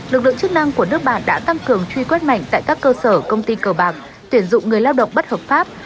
lực lượng chức năng của nước bạn đã tăng cường truy quét mạnh tại các cơ sở công ty cờ bạc tuyển dụng người lao động bất hợp pháp